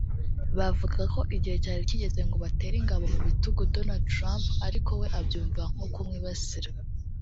bavugaga ko igihe cyari kigeze ngo batere ingabo mu bitugu Donald Trump ariko we abyumva nko kumwibasira